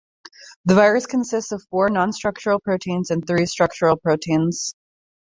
The virus consists of four nonstructural proteins and three structural proteins.